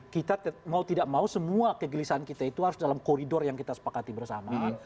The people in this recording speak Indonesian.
kita mau tidak mau semua kegelisahan kita itu harus dalam koridor yang kita sepakati bersama